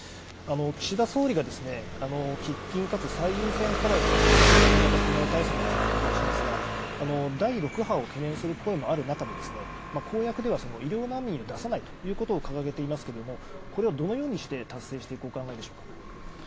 岸田総理が、喫緊かつ最優先課題とする新型コロナ対策についてお伺いしますが、第６波を懸念する声もある中で、公約では医療難民を出さないということを掲げていますけれども、これをどのようにして達成していくお考えでしょうか。